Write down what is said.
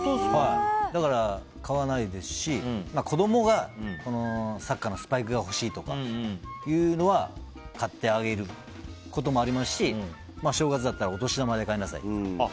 だから買わないですし子供がサッカーのスパイクが欲しいとかいうのは買ってあげることもありますし正月だったらお年玉で買いなさい。